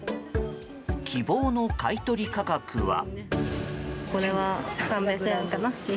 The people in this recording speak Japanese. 希望の買い取り価格は？